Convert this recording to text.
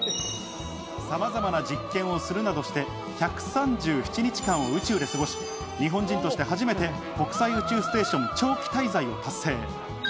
さまざまな実験をするなどして、１３７日間を宇宙で過ごし、日本人として初めて国際宇宙ステーション長期滞在を達成。